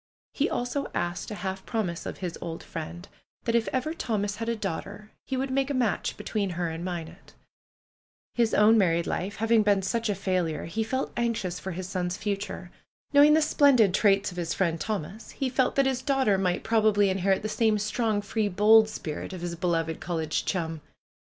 He also asked a half promise of his old friend — that if ever Thomas had a daughter, he would make a match between her and Minot. His own mar ried life having been such a failure he felt anxious for PRUE'S GARDENER 177 his son's future. Knowing the splendid traits of his friend Thomas, he felt that his daughter might prob ably inherit the same strong, free, bold spirit of his be loved college chum.